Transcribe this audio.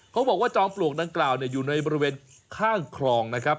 เขาบอกว่าจอมปลวกดังกล่าวอยู่ในบริเวณข้างคลองนะครับ